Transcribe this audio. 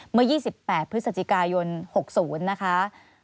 เมื่อ๒๘พฤศจิกายน๖๐นะคะ